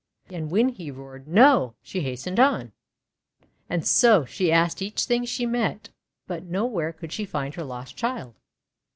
And when he roared "No" she hastened on. And so she asked each thing she met, but no where could she find her lost child.